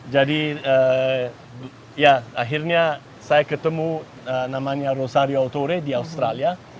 jadi ya akhirnya saya ketemu namanya rosario autoreit di australia